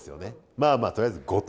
まあまあとりあえず５と。